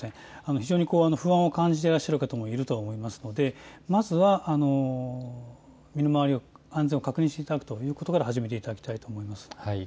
非常に不安を感じていらっしゃる方もいると思いますのでまずは身の回りの安全を確認していただくということから始めていただきたいと思います。